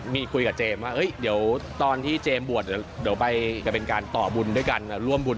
มีคุยกับเจมส์ว่าเดี๋ยวตอนที่เจมส์บูด